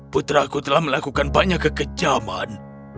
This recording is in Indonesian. putraku telah melakukan banyak kekecaman